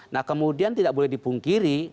nah kemudian tidak boleh dipungkiri